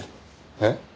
えっ？